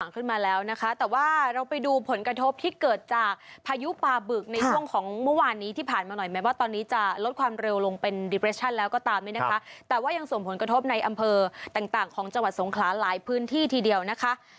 แต่ว่าเราไปดูผลกระทบที่เกิดจากพายุปลาบึกในช่วงของเมื่อวานนี้ที่ผ่านมาหน่อยแม้ว่าตอนนี้จะลดความเร็วลงเป็นดิเรชั่นแล้วก็ตามนี้นะคะแต่ว่ายังส่งผลกระทบในอำเภอต่างของจังหวัดสงขลาหลายพื้นที่ทีเดียวนะคะ